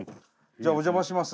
じゃあお邪魔します。